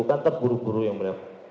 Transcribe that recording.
kan terburu buru yang mulia